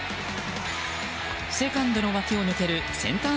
セカンドの脇を抜けるセンター